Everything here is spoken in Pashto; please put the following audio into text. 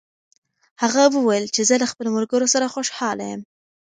هغه وویل چې زه له خپلو ملګرو سره خوشحاله یم.